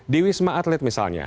di wisma atlet misalnya